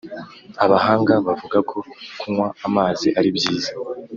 Abahanga bavuga ko kunywa amazi ari byiza